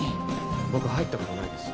僕入ったことないです。